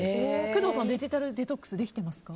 工藤さん、デジタルデトックスできてますか。